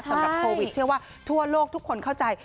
สำหรับโควิดเชื่อว่าทั่วโลกทุกคนเข้าใจ